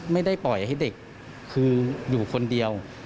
ไม่ได้ปล่อยให้เด็กคืออยู่คนเดียว